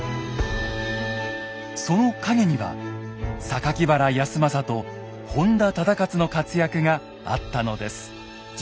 その陰には原康政と本多忠勝の活躍があったのです。